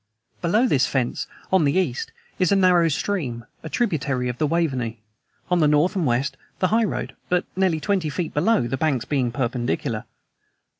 Below this fence, on the east, is a narrow stream, a tributary of the Waverney; on the north and west, the high road, but nearly twenty feet below, the banks being perpendicular.